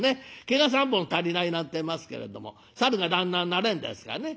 毛が３本足りないなんてえますけれどもサルが旦那になれんですかね」。